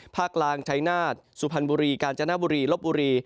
ภาคล่างไชนาศสุพรรณบุรีกาญจนบุรีลบบุรี